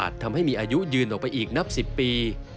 ทำให้มีอายุยืนออกไปอีกนับ๑๐ปี